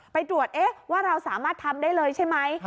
ไปตรวจเอ๊ะว่าเราสามารถทำได้เลยใช่ไหม